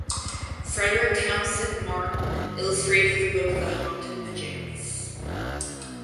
Frederick Townsend Martin illustrated his book "The Haunted Pajamas".